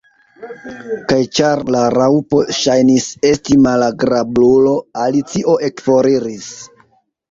Kaj ĉar la Raŭpo ŝajnis esti malagrablulo, Alicio ekforiris.